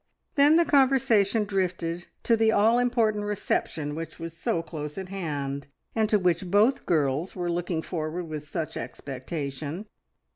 Then the conversation drifted to the all important reception which was so close at hand, and to which both girls were looking forward with such expectation.